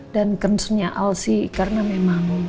dan concern nya al sih karena memang